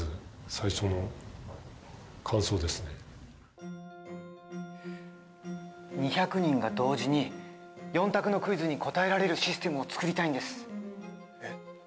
もう２００人が同時に４択のクイズに答えられるシステムを作りたいんですえっ